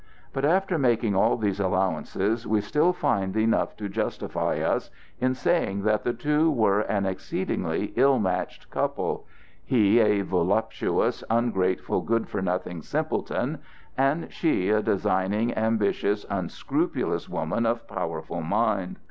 But after making all these allowances, we still find enough to justify us in saying that the two were an exceedingly ill matched couple,—he a voluptuous, ungrateful, good for nothing simpleton, and she a designing, ambitious, unscrupulous woman of powerful mind.